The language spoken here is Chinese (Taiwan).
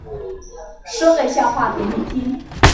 說個笑話給你聽